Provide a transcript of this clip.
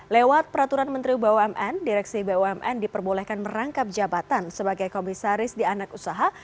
lewat peraturan menteri bumn direksi bumn diperbolehkan merangkap jabatan sebagai komisaris di anak usaha